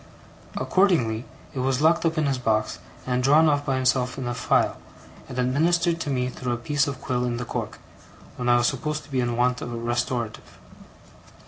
Accordingly, it was locked up in his box, and drawn off by himself in a phial, and administered to me through a piece of quill in the cork, when I was supposed to be in want of a restorative.